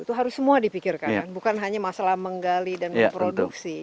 itu harus semua dipikirkan bukan hanya masalah menggali dan memproduksi